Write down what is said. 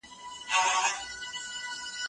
خپله پانګه په غیر ضروري شیانو مه بندوئ.